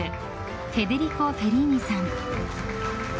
フェデリコ・フェリーニさん。